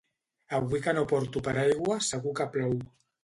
Avui que no porto paraigua segur que plou.